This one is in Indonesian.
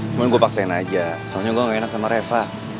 cuma gue paksain aja soalnya gue gak enak sama reva